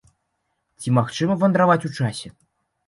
Ці магчыма вандраваць у часе?